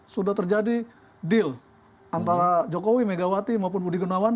sudah terjadi deal antara jokowi megawati maupun budi gunawan